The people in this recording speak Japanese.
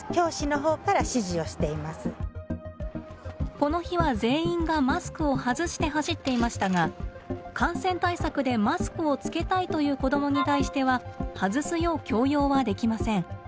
この日は全員がマスクを外して走っていましたが感染対策でマスクをつけたいという子どもに対しては外すよう強要はできません。